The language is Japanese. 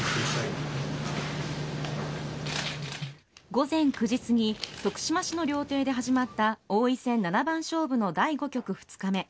午前９時すぎ徳島市の料亭で始まった王位戦七番勝負の第５局２日目。